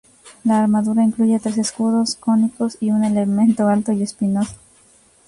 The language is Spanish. La armadura incluye tres escudos cónicos y un elemento alto y espinoso.